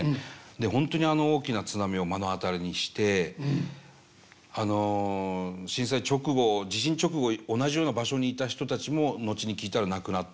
で本当にあの大きな津波を目の当たりにしてあの震災直後地震直後同じような場所にいた人たちも後に聞いたら亡くなってたとか。